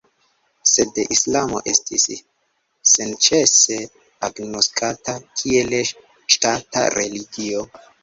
Sed islamo estis senĉese agnoskata kiel ŝtata religio.